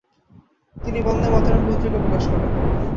তিনি বন্দেমাতরম পত্রিকা প্রকাশ করেন।